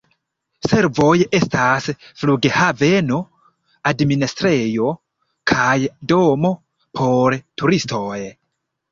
Servoj estas flughaveno, administrejo kaj domo por turistoj.